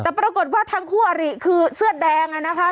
แต่ปรากฏว่าทั้งคู่อริคือเสื้อแดงนะคะ